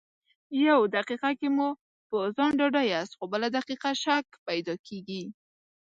يو دقيقه کې مو په ځان ډاډه ياست خو بله دقيقه شک پیدا کېږي.